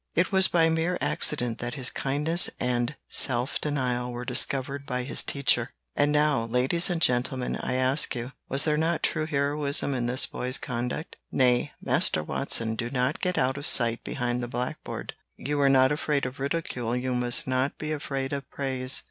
It was by mere accident that his kindness and self denial were discovered by his teacher. "And now, ladies and gentlemen, I ask you, Was there not true heroism in this boy's conduct? Nay, Master Watson, do not get out of sight behind the blackboard. You were not afraid of ridicule; you must not be afraid of praise."